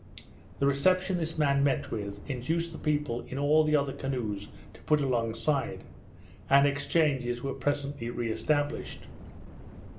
The reception this man met with, induced the people in all the other canoes to put alongside; and exchanges were presently reestablished.